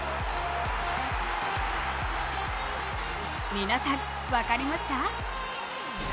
皆さん、分かりました？